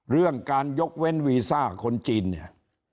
เรื่องการยกเว้นวีซ่าคนจีนเนี่ย